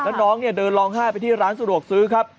แล้วน้องเนี่ยเดินร้องไห้ไปที่ร้านสะดวกซื้อครับ